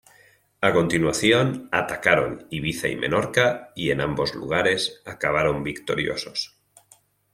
A continuación, atacaron Ibiza y Menorca y, en ambos lugares acabaron victoriosos.